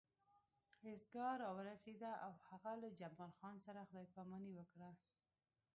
ایستګاه راورسېده او هغه له جمال خان سره خدای پاماني وکړه